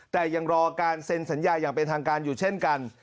แต่ยังรอการเซ็นสัญญาอย่างเป็นทางการอยู่เช่นกัน